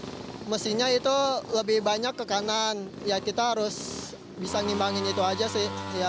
ya mestinya itu lebih banyak ke kanan ya kita harus bisa ngimbangin itu aja sih